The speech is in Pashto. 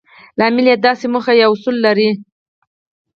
لامل يې داسې موخه يا اصول لرل وي.